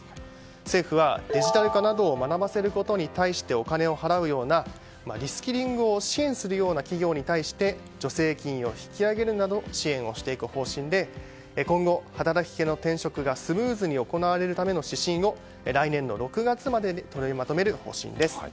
政府はデジタル化などを学ばせることに対してお金を払うようなリスキリングを支援するような企業に対して助成金を引き上げるなど支援をしていく方針で今後働き手の転職がスムーズに行われる指針を来年の６月までに取りまとめる方針です。